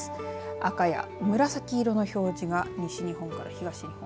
赤や紫色の表示が西日本から東日本